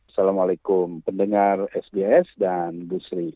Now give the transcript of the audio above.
assalamualaikum pendengar sbs dan bu sri